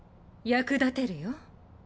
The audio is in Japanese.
役立てるよ。